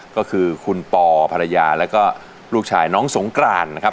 ก็คือคุณปอภรรยาแล้วก็ลูกชายน้องสงกรานนะครับ